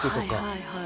はいはい